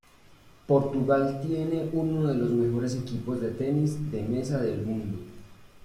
Portugal tiene uno de los mejores equipos de tenis de mesa del mundo.